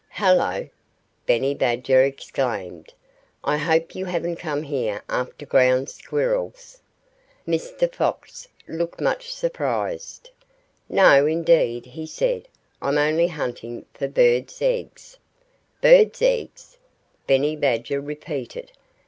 "Hullo!" Benny Badger exclaimed. "I hope you haven't come here after Ground Squirrels." Mr. Fox looked much surprised. "No, indeed!" he said. "I'm only hunting for birds' eggs." "Birds' eggs!" Benny Badger repeated.